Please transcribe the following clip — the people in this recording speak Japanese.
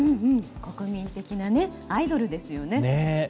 国民的なアイドルですよね。